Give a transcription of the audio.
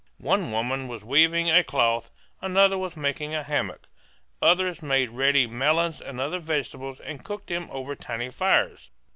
One woman was weaving a cloth, another was making a hammock; others made ready melons and other vegetables and cooked them over tiny fires.